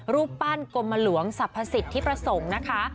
รูปปั้นกรมหลวงสรรพสิทธิประสงค์นะคะ